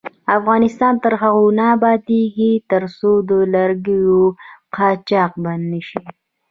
افغانستان تر هغو نه ابادیږي، ترڅو د لرګیو قاچاق بند نشي.